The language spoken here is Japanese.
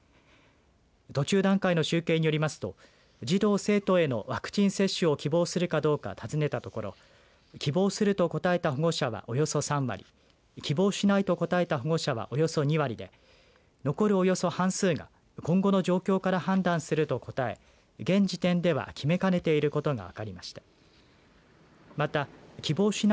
途中段階の集計によりますと児童、生徒へのワクチン接種を希望するかどうか尋ねたところ希望すると答えた保護者はおよそ３割希望しないと答えた保護者はおよそ２割で残るおよそ半数が今後の状況から判断すると答え現時点では決めかねていることが分かりました。